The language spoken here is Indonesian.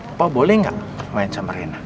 opa boleh gak main sama rena